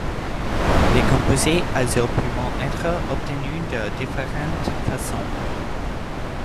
Les composés azo peuvent être obtenus de différentes façons.